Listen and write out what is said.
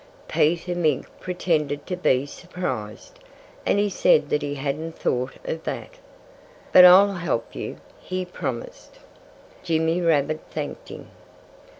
Peter Mink pretended to be surprised. And he said that he hadn't thought of that. "But I'll help you," he promised. Jimmy Rabbit thanked him.